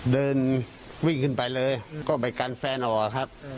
เดินวิ่งขึ้นไปเลยก็ไปกันแฟนออกครับ